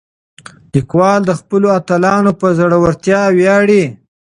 لیکوال د خپلو اتلانو په زړورتیا ویاړي.